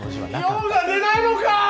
四は出ないのか！